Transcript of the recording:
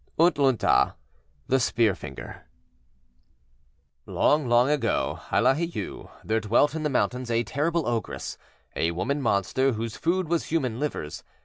U`TLÛÑ'TA, THE SPEAR FINGER Long, long ago hilahi'yu there dwelt in the mountains a terrible ogress, a woman monster, whose food was human livers.